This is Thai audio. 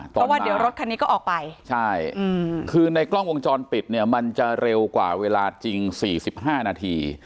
เพราะว่าเดี๋ยวรถคันนี้ก็ออกไปใช่คือในกล้องวงจรปิดเนี่ยมันจะเร็วกว่าเวลาจริง๔๕นาที